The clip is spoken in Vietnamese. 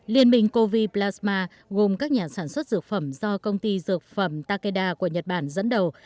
liên minh covid một mươi chín gồm các nhà sản xuất dược phẩm do công ty dược phẩm takeda của nhật bản dẫn đầu